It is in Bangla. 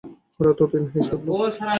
হঠাৎ অতীন হেসে উঠল।